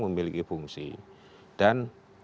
memiliki fungsi dan